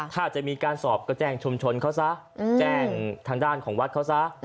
ถ้าจะมีการสอบก็แจ้งชุมชนเขาซะแจ้งทางด้านของวัดเขาซะ